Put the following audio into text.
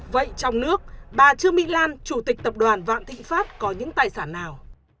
vậy trong nước bà trương mỹ lan chủ tịch tập đoàn vạn thịnh pháp có những tài sản nào